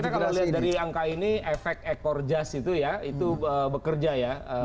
ya saya kira kalau lihat dari angka ini efek ekor jazz itu ya itu bekerja ya